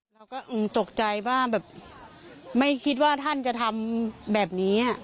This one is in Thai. เราก็ตกใจว่าแบบไม่คิดว่าท่านจะทำแบบนี้